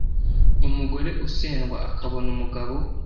umugore usendwa akabona umugabo